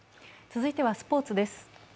続いてはスポーツです。